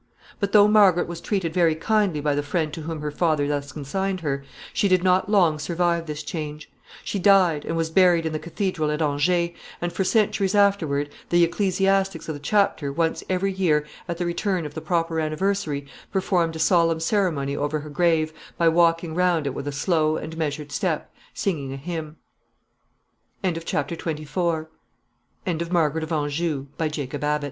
[Sidenote: The closing scene.] But, though Margaret was treated very kindly by the friend to whom her father thus consigned her, she did not long survive this change. She died, and was buried in the cathedral at Angers, and for centuries afterward the ecclesiastics of the chapter, once every year, at the return of the proper anniversary, performed a solemn ceremony over her grave by walking round it with a slow and measured step, singing a h